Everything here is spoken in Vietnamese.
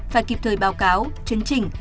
phải kịp thời báo cáo chấn trình